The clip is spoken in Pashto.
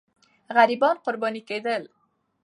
غریبان قرباني کېدل.